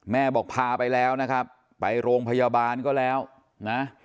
แม่บอกพาไปแล้วนะครับไปโรงพยาบาลก็แล้วนะ